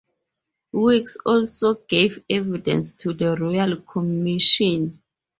Weeks also gave evidence to the Royal Commission.